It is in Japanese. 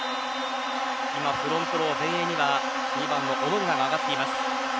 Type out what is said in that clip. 今、フロントの前衛には２番の小野寺が上がっています。